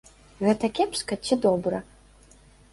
Гэта кепска ці добра?